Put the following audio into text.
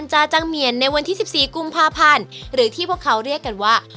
จาจังเหมียนในวันที่๑๔กุมภาพันธ์หรือที่พวกเขาเรียกกันว่า